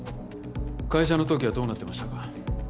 会社の登記はどうなってましたか？